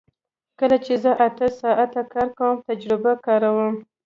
کله چې زه اته ساعته کار کوم تجربه کاروم